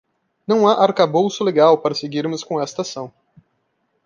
Não há arcabouço legal para seguirmos com esta ação